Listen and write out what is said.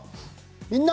「みんな！